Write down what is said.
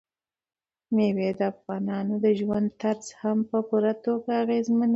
مېوې د افغانانو د ژوند طرز هم په پوره توګه اغېزمنوي.